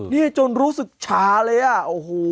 นี่จนรู้สึกชาเลยอ่ะโอ้โห